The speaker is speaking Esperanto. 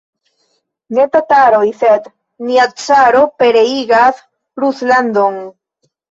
Ne tataroj, sed nia caro pereigas Ruslandon!